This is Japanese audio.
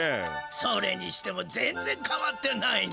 それにしても全ぜんかわってないな。